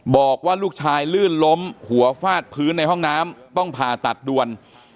บอกว่าลูกชายลื่นล้มหัวฟาดพื้นในห้องน้ำต้องผ่าตัดด่วน